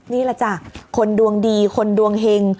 นี่แหละจ้ะคนดวงดีคนดวงเฮง